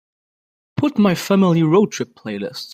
put my Family Road Trip playlist